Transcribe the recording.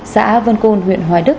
xã vân côn huyện hoài đức